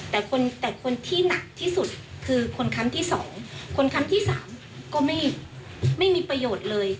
แต่คนแต่คนที่หนักที่สุดคือคนครั้งที่สองคนครั้งที่สามก็ไม่มีประโยชน์เลย